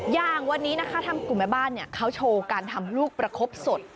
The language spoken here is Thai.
อย่างวันนี้นะคะทางกลุ่มแม่บ้านเขาโชว์การทำลูกประคบสด